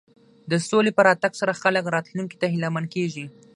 د سولې په راتګ سره خلک راتلونکي ته هیله مند کېږي.